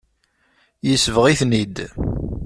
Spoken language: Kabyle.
Yesbeɣ-iten-id.